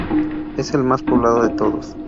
Es el más poblado de todos.